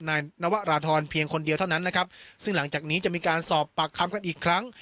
นายนวราธรเพียงคนเดียวเท่านั้นนะครับซึ่งหลังจากนี้จะมีการสอบปากคำกันอีกครั้ง